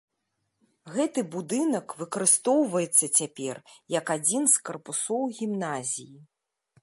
Гэты будынак выкарыстоўваецца цяпер як адзін з карпусоў гімназіі.